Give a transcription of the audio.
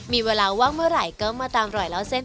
มีเวลาว่างเมื่อไหร่ก็มาตามรอยเล่าเส้น